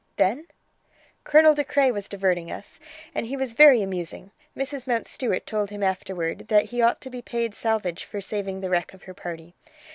"Then?" "Colonel De Craye was diverting us, and he was very amusing. Mrs. Mountstuart told him afterward that he ought to be paid salvage for saving the wreck of her party.